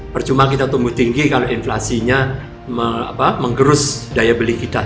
percuma kita tumbuh tinggi kalau inflasinya menggerus daya beli kita